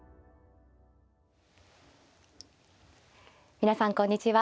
皆さんこんにちは。